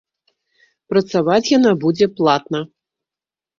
Працаваць яна будзе платна.